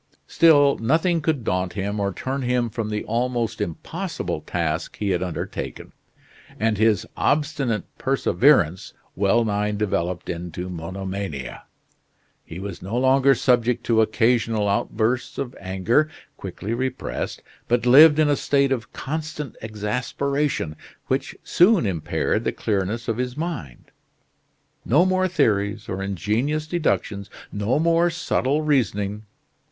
Still, nothing could daunt him or turn him from the almost impossible task he had undertaken, and his obstinate perseverance well nigh developed into monomania. He was no longer subject to occasional outbursts of anger, quickly repressed; but lived in a state of constant exasperation, which soon impaired the clearness of his mind. No more theories, or ingenious deductions, no more subtle reasoning.